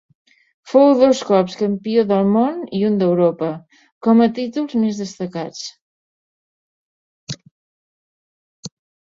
Fou dos cops campió del Món i un d'Europa, com a títols més destacats.